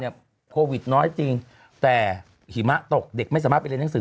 เขาบอกมีไนท์ใช้แล้วแบบว่าโอ้โฮมันลื่น